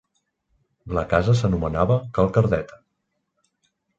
La casa s'anomenava Cal Cardeta.